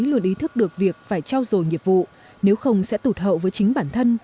luôn ý thức được việc phải trao dồi nghiệp vụ nếu không sẽ tụt hậu với chính bản thân